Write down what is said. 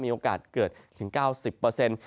มีโอกาสเกิดถึง๙๐